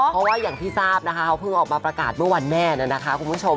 เพราะว่าอย่างที่ทราบนะคะเขาเพิ่งออกมาประกาศเมื่อวันแม่นะคะคุณผู้ชม